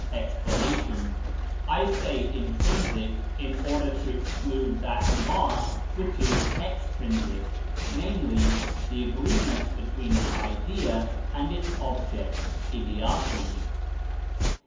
Explanation. I say intrinsic, in order to exclude that mark which is extrinsic, namely, the agreement between the idea and its object (ideatum).